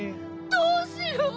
どうしよう。